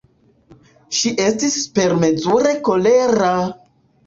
Ŝi estis supermezure kolera!